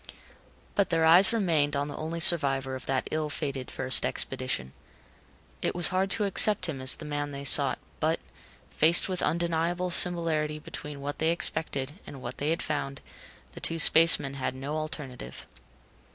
But their eyes remained on the only survivor of that ill fated first expedition. It was hard to accept him as the man they sought, but, faced with undeniable similarity between what they expected and what they had found, the two spacemen had no alternative.